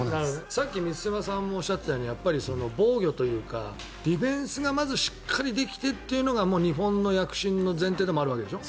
さっき満島さんもおっしゃったように防御というかディフェンスがまずしっかりできてというのが日本の躍進の前提でもあるわけでしょ。